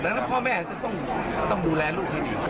และข้าวแม่ต้องดูแลลูกได้ดี